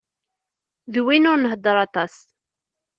D win ur nhedder aṭas.